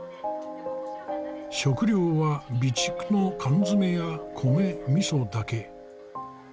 食料は備蓄の缶詰や米みそだけ。